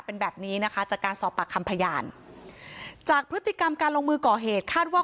เป็นแบบนี้นะคะจากการสอบปากคำพยานจากพฤติกรรมการลงมือก่อเหตุคาดว่า